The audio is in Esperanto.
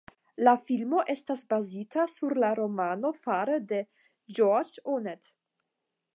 La filmo estas bazita sur la romano fare de Georges Ohnet.